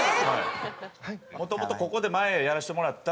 もともとここで前やらせてもらった。